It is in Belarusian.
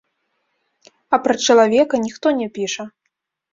А пра чалавека ніхто не піша.